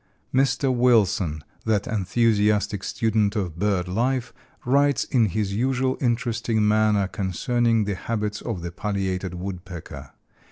149 Mr. Wilson, that enthusiastic student of bird life, writes in his usual interesting manner concerning the habits of the Pileated Woodpecker.